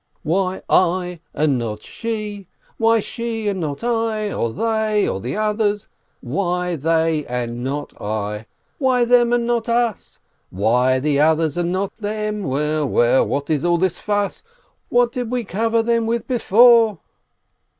"Why I and not she? Why she and not I? Or they? Or the others? Why they and not I? Why them and not us? Why the others and not them? Well, well, what is all this fuss? What did we cover them with before?"